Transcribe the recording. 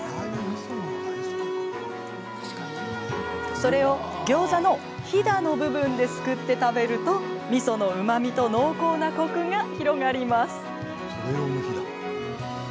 それをギョーザのひだの部分ですくって食べるとみそのうまみと濃厚なコクが広がります。